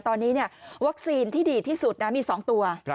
ตอนนี้วัคซีนที่ดีที่สุดนะมี๒ตัว